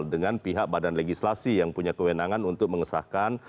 dengan pihak badan legislasi yang punya kewenangan untuk mengesahkan